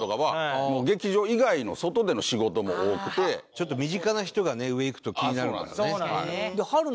ちょっと身近な人がね上行くと気になるからね。